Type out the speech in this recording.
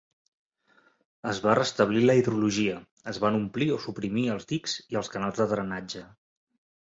Es va restablir la hidrologia; es van omplir o suprimir els dics i els canals de drenatge.